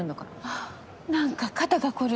あぁ何か肩が凝る。